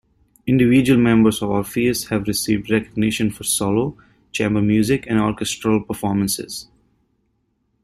Individual members of Orpheus have received recognition for solo, chamber music, and orchestral performances.